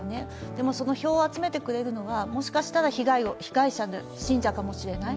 でも、その票を集めてくれるのはもしかしたら被害者の信者かもしれない。